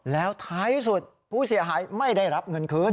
แล้วท้ายสุดผู้เสียหายไม่ได้รับเงินคืน